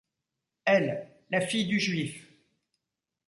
Elle ! la fille du juif !